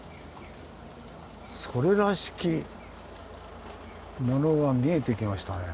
それらしきものが見えてきましたね。